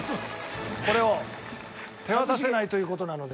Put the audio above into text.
これを手渡せないという事なので。